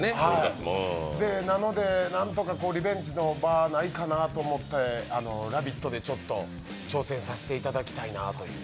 なので、なんとかリベンジの場がないかなと思って、「ラヴィット！」で挑戦させていただきたいなと。